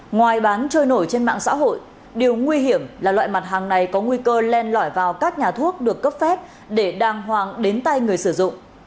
ngoài bán trôi nổi trên mạng xã hội điều nguy hiểm là loại mặt hàng này có nguy cơ len lỏi vào các nhà thuốc được cấp phép để đàng hoàng đến tay người sử dụng